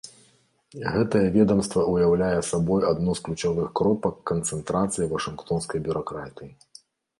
Гэтае ведамства ўяўляе сабой адну з ключавых кропак канцэнтрацыі вашынгтонскай бюракратыі.